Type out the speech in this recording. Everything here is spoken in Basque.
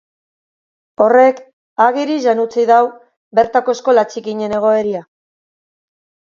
Horrek agerian utzi du bertako eskola txikiaren egoera.